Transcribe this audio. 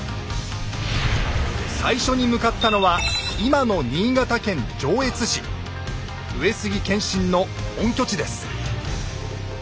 最初に向かったのは上杉謙信の本拠地です。